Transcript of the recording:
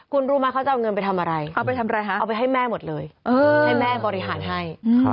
คุณรู้มั้ยเขาจะเอาเงินไปทำอะไรเอาไปให้แม่หมดเลยให้แม่บริหารให้